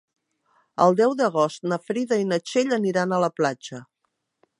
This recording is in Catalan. El deu d'agost na Frida i na Txell aniran a la platja.